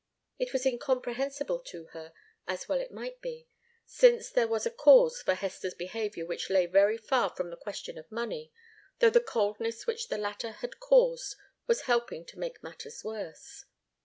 It was incomprehensible to her, as well it might be, since there was a cause for Hester's behaviour which lay very far from the question of money, though the coldness which the latter had caused was helping to make matters worse.